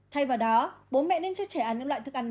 thay vào đó bố mẹ nên cho trẻ ăn những loại thức ăn